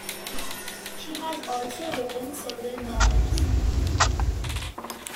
She has also written several novels.